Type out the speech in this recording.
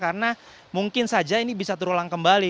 karena mungkin saja ini bisa terulang kembali